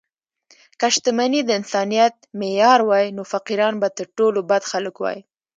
که شتمني د انسانیت معیار وای، نو فقیران به تر ټولو بد خلک وای.